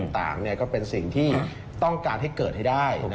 ต่างก็เป็นสิ่งที่ต้องการให้เกิดให้ได้